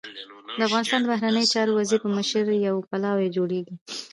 د افغانستان د بهرنیو چارو وزیر په مشرۍ يو پلاوی جوړېږي.